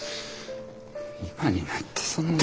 今になってそんな。